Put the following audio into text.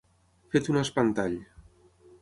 Fet un espantall.